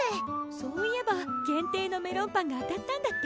そういえば限定のメロンパンが当たったんだって？